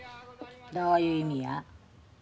どういう意味や？